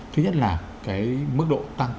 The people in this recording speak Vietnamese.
thứ nhất là cái mức độ tăng